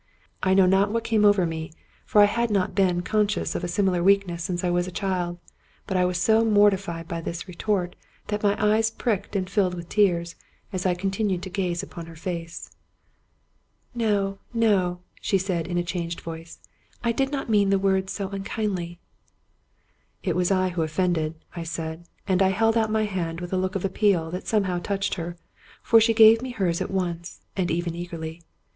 I know not what came over me, for I had not been con scious of a similar weakness since I was a child, but I was so mortified by this retort that my eyes pricked and filled with tears, as I continued to gaze upon her face. " No, no," she said, in a changed voice; " I did not mean the words unkindly." "It was I who offended," I said; and I held out my hand with a look of appeal that somehow touched her, for she gave me hers at once, and even eagerly.